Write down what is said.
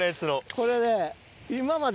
これね。